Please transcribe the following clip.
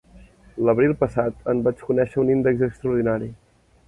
L'abril passat en vaig conèixer un índex extraordinari.